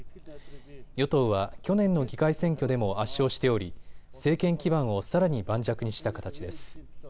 与党は去年の議会選挙でも圧勝しており政権基盤をさらに盤石にした形です。